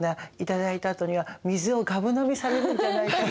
頂いたあとには水をがぶ飲みされるんじゃないかなと。